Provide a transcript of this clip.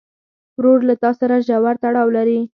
ورور له تا سره ژور تړاو لري.